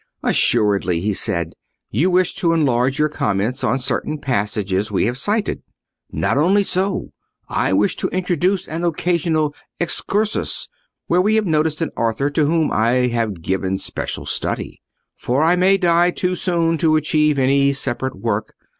"Assuredly," he said; "you wish to enlarge your comments on certain passages we have cited." "Not only so; I wish to introduce an occasional excursus, where we have noticed an author to whom I have given special study; for I may die too soon to achieve any separate work.